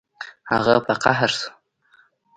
هغه په قهر شو